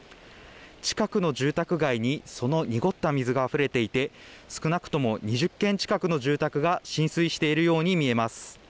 近くの住宅街にその濁った水があふれていて少なくとも２０軒近くの住宅が浸水しているように見えます。